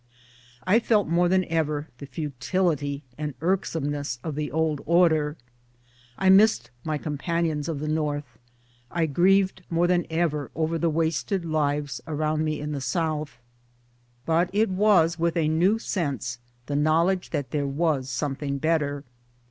I felt more than ever the futility* and irksomeness of the old order. I missed my companions of the North, I grieved more than ever over the wasted lives around me in the South but it was with a new sense, the knowledge that there was something better.